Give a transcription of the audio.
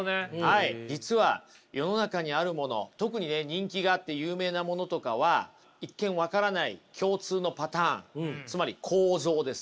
実は世の中にあるもの特にね人気があって有名なものとかは一見分からない共通のパターンつまり構造ですね。